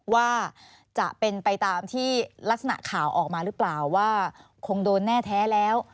ว่าจะเป็นไปตามที่ลักษณะข่าวออกมาหรือเปล่าว่าคงโดนแน่แท้แล้ว